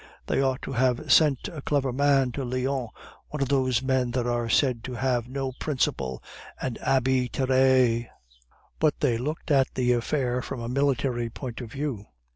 They ought to have sent a clever man to Lyons, one of those men that are said to have no principle, an Abbe Terray; but they looked at the affair from a military point of view.